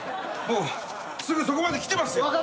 もうすぐそこまで来てますよ！